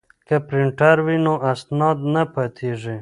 که پرینټر وي نو اسناد نه پاتیږي.